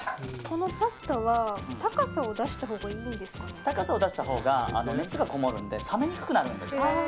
このパスタは高さを出したほうが高さを出したほうが熱がこもるので冷めにくくなるんです。